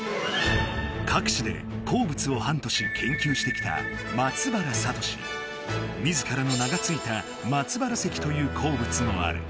各地で鉱物をハントし研究してきた自らの名がついた「松原石」という鉱物もある。